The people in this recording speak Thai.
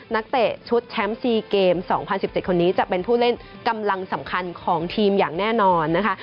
นักเตะชุดแชมป์๔เกม๒๐๑๗คนนี้จะเป็นผู้เล่นกำลังสำคัญของทีมอย่างแน่นอนนะคะ